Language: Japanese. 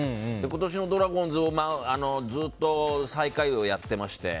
今年のドラゴンズずっと最下位をやっていまして。